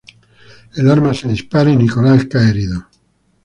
El arma se dispara y Nicolás cae herido.